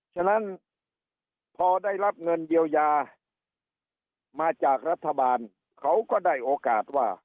ฉะนั้นพอได้รับเงินเยียวยามาจากรัฐบาลเขาก็ได้โอกาสว่า